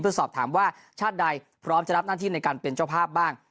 เพื่อสอบถามว่าชาติใดพร้อมจะรับหน้าที่ในการเป็นเจ้าภาพบ้าง